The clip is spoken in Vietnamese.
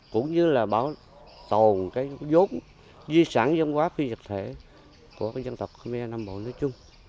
cũng như là bảo tồn cái dốt di sản dân hóa phi dịch thể của dân tộc khmer nam bộ nói chung